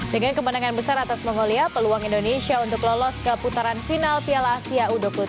dengan kemenangan besar atas mongolia peluang indonesia untuk lolos ke putaran final piala asia u dua puluh tiga